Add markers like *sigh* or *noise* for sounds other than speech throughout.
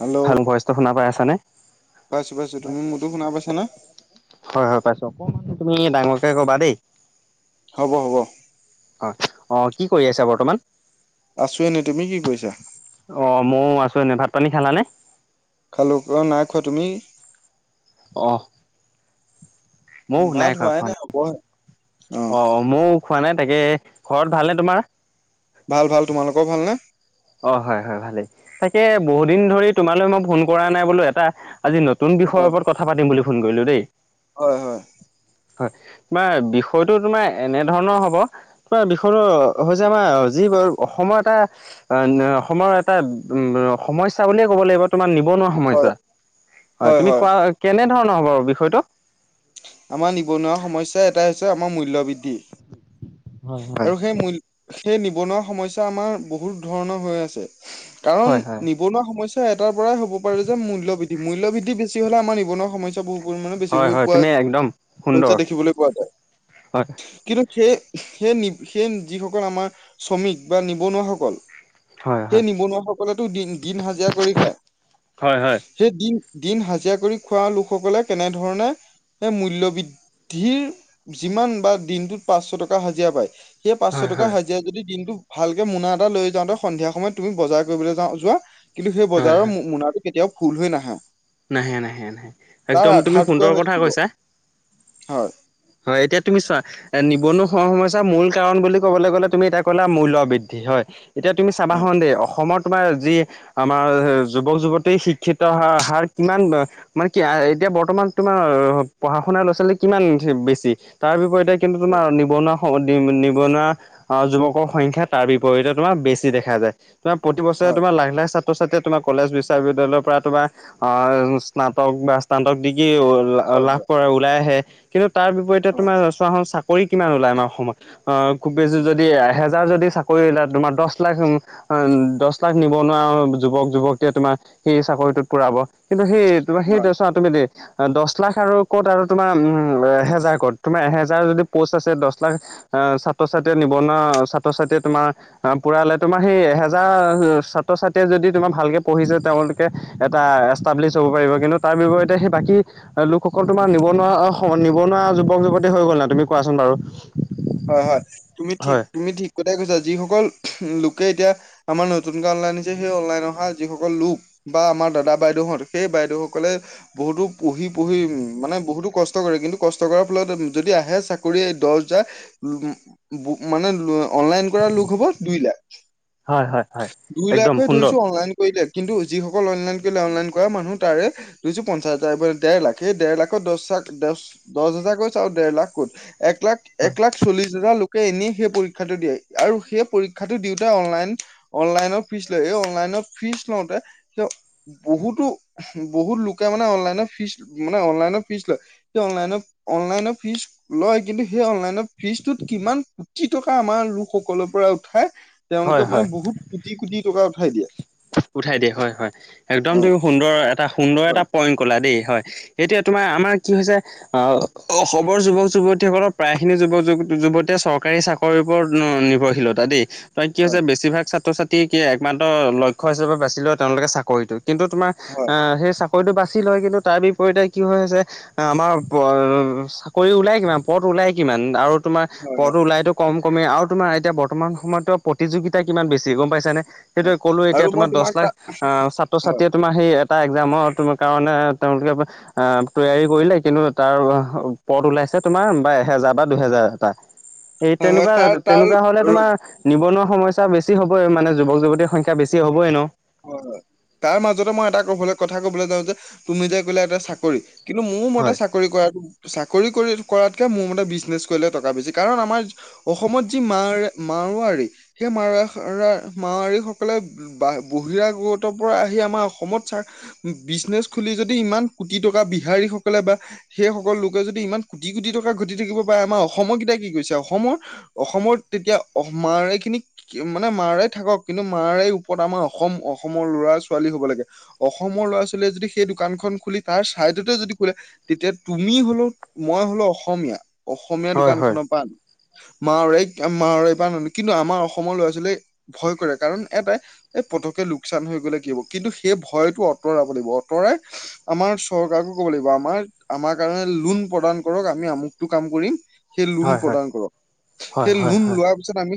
Hello ভয়ছটো শুনা পাই আছানে? পাইছো পাইছো। তুমি মোৰটো শুনা পাইছা নে? হয় হয় পাইছো। অকমান তুমি ডাঙৰকেই কবা দেই। হ'ব হ'ব। অঁ অঁ কি কৰি আছা বৰ্তমান? আছো এনেই, তুমি কি কৰিছা? অ ময়ো আছো এনেই, ভাত পানী খালানে? খালোঁ, অ নাই খোৱা তুমি? অঁহ' ওম ভাত খোৱা হোৱাই খোৱা নাই হবয়। অ অ ময়ো খোৱা নাই তাকে ঘৰত ভালনে তোমাৰ? ভাল ভাল তোমালোকৰ ভাল নে? অ হয় হয়, ভালেই তাকে বহু দিন ধৰি তোমালৈ মই ফোন কৰা নাই বোলো এটা আজি নত- তুন বিষয় হয় ওপৰত কথা পাতিম বুলি ফোন কৰিলোঁ দেই। হয় হয়। হয়, তোমাৰ বিষয়টো তোমাৰ এনেধৰণৰ হ'ব- বিষয়টো হৈছে আমাৰ যি অসমৰ এটা- অ না অসমৰ এটা সমস্যা বুলিয়ে ক'ব লাগিব তোমাৰ নিবনুৱা- হয় সমস্যা হয়, তুমি কোৱা কেনেধৰণৰ হ'ব বিষয়টো? আমাৰ নিবনুৱা সমস্যা এটাই হৈছে আমাৰ মূল্য বৃদ্ধি হয় হয়। আৰু সেই মূল- সেই নিবনুৱা সমস্যা আমাৰ বহুত ধৰণৰ হৈ আছে কাৰণ, হয় হয় নিব- নিবনুৱা সমস্যা এটাৰ পৰাই হ'ব পাৰে যে মূল্য বৃদ্ধি। মূল্য বৃদ্ধি বেছি হ'লে আমাৰ নিবনুৱ সমস্যা- বহু পৰিমাণে বেছি হয় হৈ হয় পোৱা তুমি একদম হৈছে সুন্দৰ দেখিবলৈ পোৱা যায় হয় কিন্তু সেই- সেই সেই যিসকল আমাৰ শ্ৰমিক বা নিবনুৱাসকল- হয় সেই হয়। নিবনুৱাসকলেতো দিন হাজিৰা কৰি খায়। হয় হয় সেই দিন দিন হাজিৰা কৰি খোৱা লোকসকলে কেনেধৰণে- এ মূল্য বৃদ্ধিৰ যিমান বা দিনটোত পাঁচশ টকা হাজিৰা পায়। সেই পাঁচশ হয় টকা হয় হাজিৰা যদি দিনটো- ভালকে মোনা এটা লৈ যাওঁতে সন্ধিয়া সময়ত তুমি বজাৰ কৰিবলৈ যোৱা কিন্তু, সেই হয় বজাৰৰ হয় মোনাটো- কেতিয়াও ফুল হৈ নাহা। নাহে নাহে নাহে একদম তুমি টুকুৰা সুন্দৰ হৈ কথা থাকিব কৈছা। হয়, হয়, এতিয়া তুমি চোৱা। এ নিবনুৱ হ সমস্যাৰ মূল কাৰণ বুলি ক'বলৈ গ'লে তুমি এতিয়া কলা মূল্য বৃদ্ধি হয়। এতিয়া তুমি চাবা হয় হন দে অসমৰ তোমাৰ যি- আমাৰ যুৱক যুৱতী শিক্ষিত হ হাৰ কিমান বা- মানে কি এতিয়া বৰ্তমান তোমাৰ পঢ়া শুনা ল'ৰা ছোৱালী কিমান- বেছি তাৰ বিপৰীতে কিন্তু তোমাৰ নিবনুৱা- নিবনুৱা আহ যুৱকৰ সংখ্যা তাৰ বিপৰীতে তোমাৰ বেছি দেখা যায়। তোমাৰ প্ৰতি বছৰে হয় তোমাৰ লাইনৰ ছা ছাত্ৰ-ছাত্ৰী তোমাক কলেজ বিশ্ববিালয়ৰ পৰা তোমাৰ স্নাতক বা *unintelligible* হয় লাভ হয় কৰা ওলাই আহে কিন্তু তাৰ বিপৰীতে হয় তোমাৰ চোৱা চোন চাকৰি কিমান ওলাই আমাৰ অসমত। অঁ, খুব বেছি যদি এহেজাৰ যদি চাকৰি ওলাই তোমাৰ দহ লাখ দহ লাখ নিবনুৱা যুৱক-যুৱতীয়ে তোমাৰ সেই চাকৰিটোত পোৰাব। কিন্তু সেই তোমাৰ হয় সেইটো চোৱা তুমি দেই, দহ লাখ আৰু ক'ত আৰু তোমাৰ উম এহেজাৰ ক'ত, তোমাৰ এহেজাৰ যদি প'ষ্ট আছে দহ লাখ আহ' ছাত্ৰ-ছাত্ৰীয়ে নিবনুৱা ছাত্ৰ-ছাত্ৰীয়ে তোমাৰ আঁহ' পুৰালে তোমাৰ সেই এহেজাৰ ছাত্ৰ-ছাত্ৰীয়ে যদি তোমাৰ ভালকে পঢ়িছে তেওঁলোক এটা এষ্টাব্লিছ হ'ব পাৰিব কিন্তু তাৰ বিপৰীতে সেই বাকী লোকসকল তোমাৰ নিবনুৱা নিবনুৱা যুৱক-যুৱতী হৈ গ'ল নাই। তুমি কোৱাচোন বাৰু? হয় হয়, তুমি ঠিক, হয় তুমি ঠিক কথাই কৈছা। যিসকল লোকে এতিয়া- আমাৰ নতুনকে অনলাইন হৈছে সেই অনলাইন অহা যিসকল লোক- বা আমাৰ দাদা বাইদেউহত, সেই বাইদেউ সকলে- বহুতো পঢ়ি পঢ়ি মানে বহুতো কষ্ট কৰে কিন্তু কষ্ট কৰাৰ ফলত যদি আহে চা কৰি দহ হাজাৰ মানে অনলাইন কৰা লোক হ'ব দুই লাখ, হয় হয় হয় দুই একদম লাখে সুন্দৰ ধৰিছোঁ অনলাইন কৰিলে, কিন্তু যিসকল অনলাইন কৰিলে অনলাইন কৰা মানুহ তাৰে- ধৰিছো পঞ্চাছ হাজাৰ পৰা ডেৰ লাখ, সেই ডেৰ লাখৰ দহ লাখ, দহ দহ হাজাৰ ক'ত চা আৰু ডেৰ লাখ ক'ত, এক লাখ এক হয় এক লাখ চল্লিশ হাজাৰ লোকে এনেই সেই পৰীক্ষাটো দিয়ে আৰু সেই পৰীক্ষাটো দিওঁতে অনলাইন অনলাইনৰ ফিজ লয়, এই অনলাইনৰ ফিজ লওঁতে তেওঁ বহুতো বহুত লোকে মানে অনলাইনৰ ফিজ মানে অনলাইনৰ ফিজ লয়। সেই অনলাইনৰ, অনলাইনৰ ফিজ লয় কিন্তু সেই অনলাইনত ফিজটোত কিমান কোটি টকা আমাৰ লোকসকলৰ পৰা উঠাই- হয় তেওঁলোকে হয়। মানে বহুত কোটি কোটি টকা উঠাই দিয়ে। উঠাই দিয়ে, হয় হয়। একদম হয় তুমি সুন্দৰ এটা সুন্দৰ এটা হয় পইণ্ট কলা দেই হয়। এতিয়া তোমাৰ আমাৰ কি হৈছে- অঁ' অসমৰ যুৱক যুৱতীসকলৰ প্ৰায় খিনি যুৱক-যুৱতীয়ে চৰকাৰী চাকৰি ওপৰত নিৰ্ভৰশীলতা দেই। তাইত কি হৈছে হয় বেছিভাগ ছাত্ৰ-ছাত্ৰী কি একমাত্ৰ লক্ষ্য হিচাপে বাচি লয় তেওঁলোকে চাকৰিটো। কিন্তু তোমাৰ হয় আহ' সেই চাকৰিটো বাছি লয় কিন্তু তাৰ বিপৰীতে কি হৈ আছে- আমাৰ চাকৰি ওলাই কিমান পদ ওলাই কিমান আৰু তোমাৰ হয় হয় হয় পদটো ওলাইটো কম কমেই আৰু তোমাৰ এতিয়া বৰ্তমান সময়তো প্ৰতিযোগিতা কিমান বেছি গম পাইছানে। সেইটোৱে ক'লো আৰু এতিয়া মই তোমাৰ দহ তোমাক তা লাখ আহ' হয় ছাত্ৰ-ছাত্ৰীয়ে তোমাৰ সেই এটা একজামৰ কাৰণে তেওঁলোকে আহ' তৈয়াৰী কৰিলে কিন্তু তাৰ পদ ওলাইছে তোমাৰ বা এহেজাৰ বা দুহেজাৰ এটা। এই হয় হয় তেনেকুৱা তাৰ তেনেকুৱা হ'লে তাৰ তোমাৰ- নিবনুৱা সমস্যা বেছি হ'বই মানে যুৱক-যুৱতীৰ সংখ্যা বেছি হ'বই ন'। হয় হয় তাৰ মাজতে মই এটা কবলে কথা ক'বলৈ যাওঁ যে তুমি যে কলা এটা চাকৰি। কিন্তু মোৰ মতে হয় চাক ৰি কৰা, চাকৰি কৰি কৰাতকে মোৰ মতে বিজনেছ কৰিলে টকা বেছি। কাৰণ আমাৰ- অসমত যি মা-মাৰোৱাৰী- সেই মা-মাৰোৱাৰী সকলে বা- বহিৰা গতৰ পৰা আহি আমাৰ অসমত চা বিজনেছ খুলি যদি ইমান কোটি টকা বিহাৰীসকলে বা সেই সকল লোকে যদি ইমান কোটি কোটি টকা ঘটি থাকিব পাৰে আমাৰ অসমৰ কেইটাই কি কৈছে অসমৰ অসমত তেতিয়া আহ মাৰাই খিনি মানে মাৰই থাকক কিন্তু মাৰাইৰ ওপৰত আমাৰ অ - অসম অসমৰ ল'ৰা ছোৱালী হ'ব লাগে। অসমৰ ল'ৰা ছোৱালীয়ে যদি সেই দোকান খন খুলি তাৰ ছাইডতে যদি খোলে। তেতিয়া তুমি হলেও মই হলো অসমীয়া অসমীয়া হয় দোকান হয় খনৰ পৰা আনি মাৰে মাৰেপ নানো কিন্তু আমাৰ অসমৰ ল'ৰা ছোৱালীয়ে ভয় কৰে কাৰণ এটা এই পটককে লোকচান হৈ গ'লে কি হ'ব কিন্তু সেই ভয়তটো আঁতৰাব লাগিব আঁতৰাই আমাৰ চৰকাৰকো ক'ব লাগিব আমাৰ আমাৰ কাৰণে লোন প্ৰদান কৰক আমি আমুকটো কাম কৰিম সেই লোন হয় হয় প্ৰদান কৰক হয় সেই হয় লোন হয় লোৱা পিছত আমি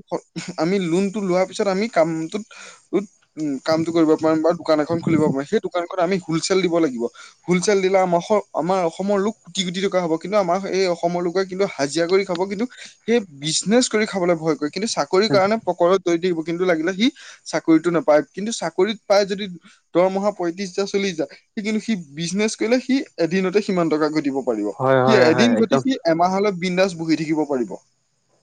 আমি লোনতটো লোৱাৰ পিছত আমি কামটোত উম কামটো কৰিব পাৰিম বা দোকান এখন খুলিব পাৰিম সেই দোকানখন আমি হলচেল দিব লাগিব হলচেল দিলাৰ আমাৰ আমাৰ অসমৰ লোক কোটি কোটি টকা হ'ব কিন্তু আমাৰ এই অসমৰ লোকে কিন্তু হাজিৰা কৰি খাব কিন্তু সেই বিজনেচ কৰি খাবলৈ ভয় কৰে কিন্তু চাকৰি চাকৰিৰ কাৰণে পকৰ তৈ থাকিব কিন্তু লাগিলে সি চাকৰিতটো নাপায় কিন্তু চাকৰিত পাই যদি দৰমহা পঁয়ত্ৰিশ হাজাৰ চল্লিছ হাজাৰ সি কিন্তু সি বিজনেছ কৰিলে সি এদিনতে সিমান টকা ঘটিব হয় হয় সি হয় হয় এদিন একদম ঘটি সি এমাহলৈ বিন্দাজ বহি থাকিব পাৰিব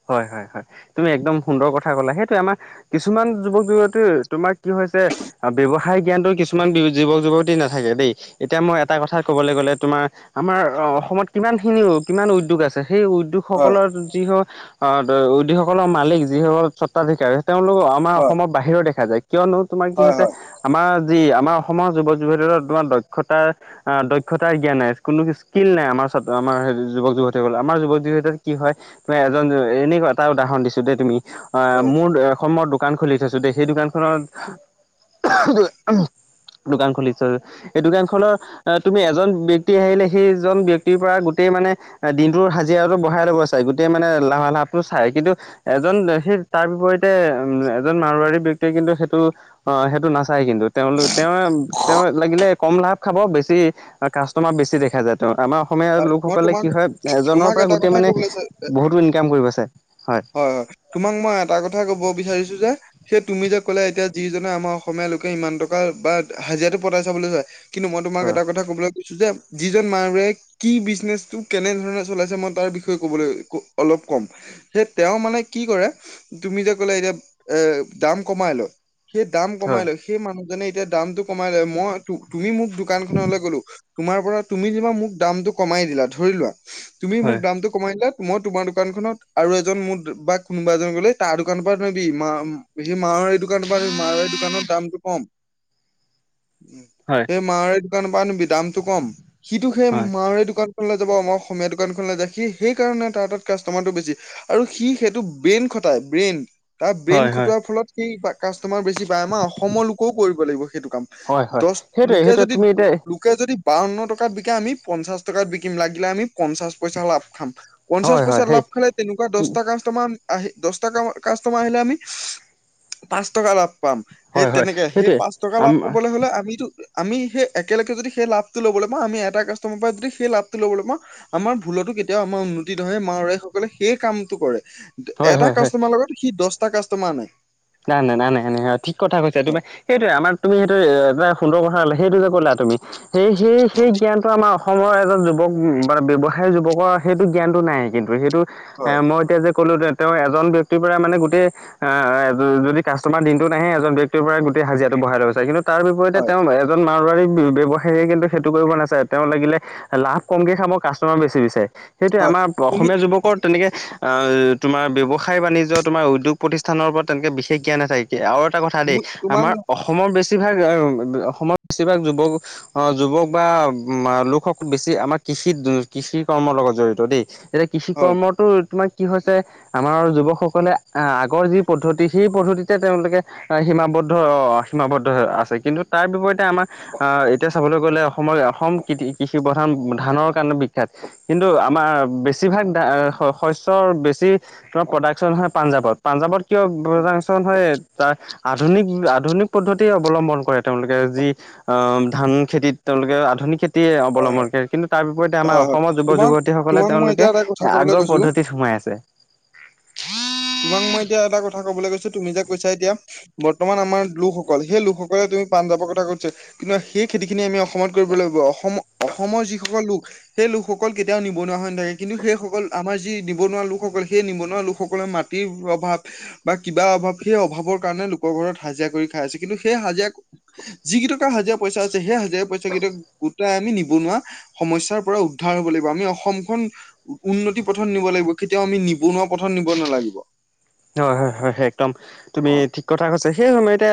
হয় হয় হয় তুমি একদম সুন্দৰ কথা ক'লা সেইটোৱে আমাৰ কিছুমান যুৱক যুৱতী তোমাৰ কি হৈছে। ব্যৱসায় জ্ঞানতো কিছুমান যুৱক যুৱতী নাথাকে দেই এতিয়া মই এটা কথা কবলৈ গ'লে তোমাৰ আমাৰ অ অসমত কিমান খিনি কিমান উদ্যোগ আছে সেই উদ্যোগ হয় সকলৰ যি যিসকলৰ মালিক যিসকল স্বত্বাধিকাৰী তেওঁলোকৰ আমাৰ হয়। অসমৰ বাহিৰৰ দেখা যায় কিয়নো তোমাৰ কি হয়, হৈছে। হয়, আমাৰ যি আমাৰ অসমৰ যুৱক যুৱতীৰ তোমাৰ দক্ষতাৰ আহ দক্ষতা জ্ঞান নাই কোনো স্কিল নাই আমাৰ আমাৰ যুৱক যুৱতীসকলৰ আমাৰ যুৱক যুৱতীৰ কি হয় তোমাক এজন এনেকুৱা এটা উদাহৰণ দিছো দেই তুমি আহ হয়। মোৰ এ অসমৰ দু দোকান খুলি থৈছো সেই দোকানখনত দোকান খুলি থ এই দোকান খনৰ তুমি এজন ব্যক্তি আহিলে সেইজন ব্যক্তি পৰা গোটেই মানে দিনটোৰ হাজিৰাটো বঢ়াই ল'ব চাই গোটেই মানে লাভা লাভটো চাই কিন্তু এজন সেই তাৰ বিপৰীতে উম এজন মাৰোৱাৰী ব্যক্তিয়ে কিন্তু সেইটো অ সেইটো নাচ চাই কিন্তু তেওঁলোক তেওঁ তেওঁ লাগিলে কম লাভ খাব বেছি কাষ্টমাৰ বেছি দেখা যায় তো আমাৰ অসমীয়াৰ আহ, মই লোকসকলে তোমাক কি হয় এজনৰ তোমাক পৰা এটা গোটেই কথাই মানে ক'বলৈ চা বহুতো ইনকাম কৰিব ছায় হয়। হয় হয় তোমাক মই এটা কথাই ক'ব বিচাৰিছোঁ যে সেই তুমি যে কলে এতিয়া যিজনে আমাৰ অসমীয়া লোকে ইমান টকা বা হাজিৰাটো পতাইছা বুলি কয় কিন্তু মই তোমাক এটা কথা কবলৈ কৈছো যে যিজন মানুহে কি বিজনেচটো কেনেধৰণে চলাইছে মই তাৰ বিষয়ে ক'বলৈ অলপ ক'ম সেই তেওঁ মানে কি কৰে তুমি যে কলে এতিয়া এ দাম কমাই লয় সেই দাম কমাই হয় লয় সেই মানুহজনে এতিয়া দামটো কমাই লয় মই তুমি মোক দোকান খনলৈ গলো তোমাৰ পৰা তুমি কিবা মোক দামটো কমাই দিলা ধৰি লোৱা তুমি মোক হয় দামটো কমাই দিযা মই তোমাৰ দোকান খনত আৰু এজন মোৰ বা কোনোবা এজন গলে তাৰ দোকানৰ পৰিবা মা সি মাৰাৰী দোকানৰ পৰা মাৰোৱাৰী দোকানৰ দামটো কম উম সেই মাৰোৱাৰী দোকানৰ পৰা আনিবি দামতটো কম সিটো সেই হয় মাৰোৱাৰী দোকান দোকানখনলৈ যাব মই অসমীয়া দোকানখনলৈ যায় সি সেইকাৰণে তাৰ তাত কাষ্টমাৰটো বেছি। আৰু সি সেইটো ব্ৰেইন খটায় ব্ৰেইন। তাৰ ব্ৰেইন হয় হয় খুটোৱাৰ ফলত সেই কাষ্টমাৰ বেছি পায় আমাৰ অসমৰ লোকেও কৰিব লাগিব সেইটো কাম। হয় হয় দশ সেইটোৱে লোকে সেইটোৱে যদি তুমি এতিয়া লোক লোকে যদি বাৱন্ন টকাত বিকে আমি পঞ্চাশ টকাত বিকিম লাগিলে আমি পঞ্চাশ পইচা লাভ খাম। পঞ্চাশ হয় হয় পইচা সেই লাভ খালে তেনেকুৱা কি দশ টা কাষ্ট তমান আহি দশ টা কা-কাষ্টমাৰ আহিলে আমি পাঁচ টকা লাভ পাম সেই হয় হয় তেনেকে সেই সেইটোৱে পাঁচ টকা আম লাভ পাবলৈ হলে আমিতো আমি সেই একেলগে যদি সেই লাভটো লবলৈ পাওঁ আমি এটা কাষ্টমাৰৰ পৰাই যদি সেই লাভটো লবলৈ পাওঁ আমাৰ ভুলতো কেতিয়াও আমাৰ উন্নতি নহয় মাৰোৱাৰী সকলে সেই কামটো কৰে। হয় এটা হয় হয় কাষ্টমাৰ লগত সি দশটা কাষ্টমাৰ আনে। নাই নাই নাই নাই ঠিক কথা কৈছা তুমাৰ হয় সেইটোৱে আমাৰ তুমি সেইটো এটা সুন্দৰ কথা কলা সেইটো যে কলা তুমি সেই সেই সেই জ্ঞানটো আমাৰ অসমৰ এজন যুৱক বা ব্যৱসায় যুৱকৰ সেইটো জ্ঞানটো নাই কিন্তু সেইটো এ, হয় মই এতিয়া যে ক'লো তেওঁ এজন ব্যক্তিৰ পৰা মানে গোটেই আ যদি কাষ্টমাৰ দিনটোত আহে এজন ব্যক্তিৰ পৰা গোটেই হাজিৰাটো বঢ়াই লব খুজে কিন্তু তাৰ বিপীৰীতে হয় তেওঁ বাহিৰত এজন মাৰোৱাৰী ব্যৱসায়ীয়ে কিন্তু সেইটো কৰিব নাচাই, তেওঁ লাগিলে লাভ কমকে খাব কাষ্টমাৰ বেছি বিচাৰে, সেইটোয়ে হয় আমাৰ তুমি অসমীয়া যুৱক কৰ তেনেকে অ', তোমাৰ ব্যৱসায় বাণিজ্য তোমাৰ উদ্যোগ প্ৰতিষ্ঠানৰ ওপৰত তেনেকে বিশেষ জ্ঞান নাথাকে। আৰু এটা কথা দেই তুমি তোমাক আমাৰ অসমৰ বেছিভাগ অসমৰ বেছিভাগ যুৱক অ', যুৱক বা লোকসকল বেছি আমাৰ কৃষিত কৃষি কৰ্মৰ লগত জড়িত দেই। এতিয়া কৃষি হয় কৰ্মটো তোমাৰ কি হৈছে আমাৰ যুৱকসকলে আগৰ যি পদ্ধতি সেই পদ্ধতিতে তেওঁলোকে সীমাবদ্ধ সীমাবদ্ধ আছে, কিন্তু তাৰ বিপৰীত তে আমাৰ আ এতিয়া চাবলৈ গ'লে অসমৰ অসম কৃ-কৃষি প্ৰধান ধানৰ কাৰণে বিখ্যাত, কিন্তু আমাৰ বেছি বেছিভাগ দা-শ-শস্যৰ বেছি প্ৰডাকশ্যন হয় পাঞ্জাৱত, পাঞ্জাৱত কিয় হয় প্ৰডাকচন হয় তাৰ আধুনিক আধুনিক পদ্ধত অৱলম্বন কৰে তেওঁলোকে যি অ', ধান খেতিত তেওঁলোকে আধুনিক খেত তি হয় অৱলম্বন কৰে কিন্তু তাৰ বিপৰীতে আমাৰ হয় হয় অসমত তোমাক যুৱক-যুৱতীসকলে তোমাক মই তেওঁলোকে এতিয়া এটা কথা এ, কবলৈ আগৰ কৈছো পদ্ধতিত সোমাই আছে। তোমাক মই এতিয়া এটা কথা কবলৈ গৈছোঁ তুমি যে কৈছা এতিয়া বৰ্তমান আমাৰ লোকসকল, সেই লোকসকলে তুমি পাঞ্জাবৰ কথা কৈছে কিন্তু সেই খেতি খিনি আমি অসমত কৰিব লাগিব অসম অসমৰ যিসকল লোক সেই লোকসকল কেতিয়াও নিবনুৱা হৈ নাথাকে কিন্তু সেইসকল আমাৰ যি নিবনুৱা লোকসকলে সেই নিবনুৱা লোকসকলে মাত কি প্ৰভাৱ বা কিবা অভাৱ সেই অভাৱৰ কাৰণে লোকৰ ঘৰত হাজিৰা কৰি খাই আছোঁ, কিন্তু সেই হাজিৰা যি কেইটকা হাজিৰা পইচা আছে সেই হাজিৰা পইচা কেইটকা গোটাই আনি নিবনুৱা সমস্যাৰ পৰা উদ্ধাৰ হব লাগিব, আমি অসমখন উন্নতি পথত নিব লাগিব, কেতিয়াও আমি নিবনুৱা পথত নিব নালাগিব। হয় হয় হয় হয়, একদম তুমি হয় ঠিক কথা কৈছা সেই সময়তে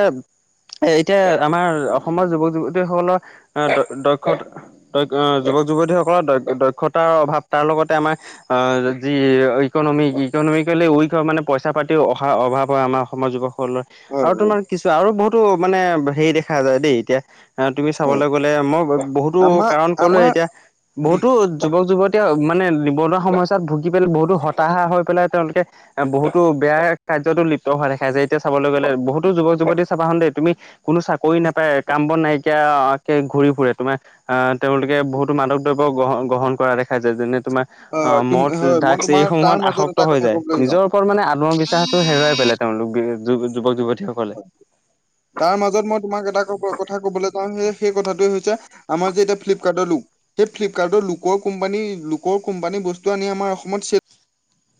এতিয়া আমাৰ অসমৰ যুৱক যুৱতীসকলৰ আ, দ-দক্ষত দক্ষ যুৱক যুৱতীসকলৰ দক্ষ-দক্ষতাৰ অভাৱ তাৰ লগতে আমাৰ অ', যি ইকনমি ইকনমিকেলি উইক হয় মানে পইচা পাতিও অহাৰ অভাৱ হয় আমাৰ অসমৰ যুৱকৰলৈ, হয় আৰু তোমাৰ কিছু আৰু বহুতো মানে হেৰি দেখা যায় দেই এতিয়া এ তুমি হয় চাবলৈ গ'লে মই ব-বহুতো আমাৰ কাৰণ কলোয়ে আমাৰ এতিয়া, বহুতো যুৱক যুৱত তেওঁ মানে নিবনুৱা সমস্যাত ভুগি পেলাই বহুতো হতাশা হৈ পেলাই তেওঁলোকে এ বহুত, বেয়া কাৰ্যত লিপ্ত হোৱা দেখা যায় এতিয়া চাবলৈ গ'লে বহুতো যুৱক যুৱতী চাবা হল দেই তুমি, কোনো চাকৰি নাপায় আৰু কাম বন নাইকিয়া কে ঘূৰি ফুৰে তোমাৰ। আহ তেওঁলোকে বহুত মাদক দ্ৰব্য গ্ৰহ গ্ৰহণ কৰা দেখাই যায় যেনে তোমাৰ। অ তুম মদ হয় মই ড্ৰাগছ তোমাৰ তাৰ এইসমূহত মাজত এটা আসক্ত হৈ কথা যায় কবলৈ যাওঁ নিজৰ। লোকৰ মানে আত্মবিশ্বাসটো হেৰুৱাই পেলাই তেওঁলোক য যুৱক যুৱতীসকলে। তাৰ মাজত মই তোমাক এটা কথা কবলৈ যাওঁ সেই কথাটোৱে হৈছে আমাৰ যে এতিয়া ফ্লিপকাৰ্টৰ লোক সেই ফ্লিপকাৰ্ডৰ লোকৰ কোম্পানী লোকৰ কোম্পানী বস্তু আনি আমাৰ অসমত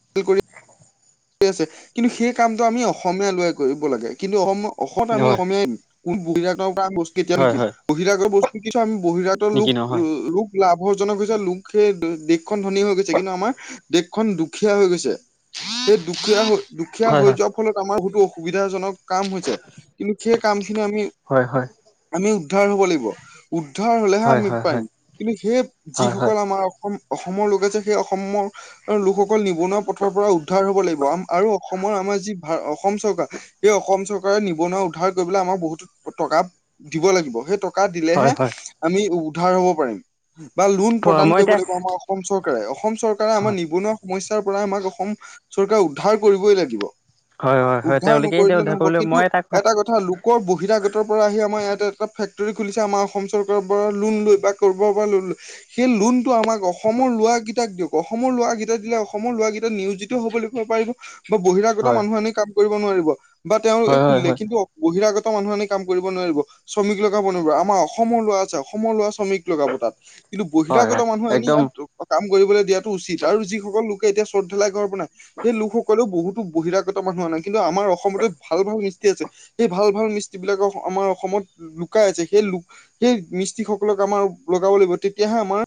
*unintelligible* কিন্তু সেই কামটো আমি অসমীয়া ল'ৰাই কৰিব লাগে কিন্তু অসম, অসমত আমি হয় অসমীয়াই কোন বহিৰাগতৰ পৰা আম বস্তু কেতিয়াও হয় নিকিনিম হয় বহিৰাগতৰ বস্তু কিছ আমি বহিৰাগ, ত নেকি লুক নহয় লুক, লাভৰজনক পিছত লোকে দেশখন ধনী হৈ গৈছে কিন্তু আমাৰ দেশখন দুখ দুখীয়া হৈ গৈছে সেই দুখীয়া হৈ দুখীয়া হয় হৈ হয় যোৱা, ফলত আমাৰ বহুতো অসুবিধাজনক কাম হৈছে কিন্তু সেই কাম খিনি আমি। হয় হয়। আমি উদ্ধাৰ হব লাগিব উদ্ধাৰ হলেহে হয় হয় আমি হয় পাৰিম হয় কিন্তু সেই হয় যিসকল আমাৰ। অসম লোকে যে সেই অসমৰ লোক অকল নিবনুৱা পথৰ পৰা উদ্ধাৰ হ'ব লাগিব আৰু অসমৰ আমাৰ যি ভাৰ অসম চৰকাৰ, সেই অসম চৰকাৰে নিবনুৱা উদ্ধাৰ কৰিবলৈ আমাক বহুতো টকা দিব লাগিব সেই টকা হয় দিলেহে হয় আমি উদ্ধাৰ হব পাৰিম বা লোন হয় প্ৰদান মই কৰিব এতিয়া লাগিব অসম চৰকাৰে অসম চৰকাৰে আমাৰ হয় নিবনুৱাক, সমস্যাৰ পৰা আমাক অসম চৰকাৰ উদ্ধাৰ কৰিবই লাগিব। হয় হয় হয় উদ্ধাৰ তেওঁলোকে এতিয়া নকৰিলে উদ্ধাৰ নহ'ব কৰিবলৈ কিন্তু মই এটা কথা লোক, ক'ৰ বহিৰা আগতৰ পৰা আহি আমাৰ ইয়াত এটা ফেক্টৰী খুলিছে আমাৰ অসম চৰকাৰৰ পৰা লোন লৈ বা ক'ৰবাৰ পৰা লোন লৈ। সেই লোন টো আমাক অসমৰ লোৱা কেইটাক দিয়ক অসমৰ লোৱা কেই দিলে অসমৰ লোৱা কেইটা নিয়োজিত হ'ব কিব পাৰিব বা বহিৰাগত হয় মানুহ আনি কাম কৰিব নোৱাৰিব। বা তেওঁলোকে হয় হয় খুলিলে হয় কিন্তু বহিৰাগত মানুহ আনি কাম কৰিব নোৱাৰিব। শ্ৰমিক লগাব নোৱাৰাৰ আমাৰ অসমৰ লোৱা আছে অসমৰ লোৱা শ্ৰমিক লগাব তাত। কিন্তু হয় বহিৰাগত হয় মানুহ আনি একদম ইয়াত কাম কৰিবলৈ দিয়াটো উচিত আৰু যি সকল লোকে এতিয়া চদ ধালাই ঘৰ বনাই সেই লোকসকলে বহুতো বহিৰাগত মানুহ আনে। কিন্তু আমাৰ অসমতে ভাল ভাল মিস্তি আছে। সেই ভাল ভাল মিস্ত্ৰী বিলাকৰ আমাৰ অসমত লুকাই আছে সেই ল সেই মিস্ত্ৰী সকলক আমাৰ লগাব লাগিব তেতিয়াহে আমাৰ।